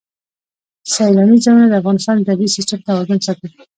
سیلانی ځایونه د افغانستان د طبعي سیسټم توازن ساتي.